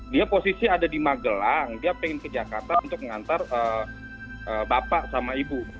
dia posisi ada di magelang dia pengen ke jakarta untuk mengantar bapak sama ibu